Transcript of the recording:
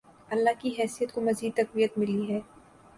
اللہ کی حیثیت کو مزید تقویت ملی ہے۔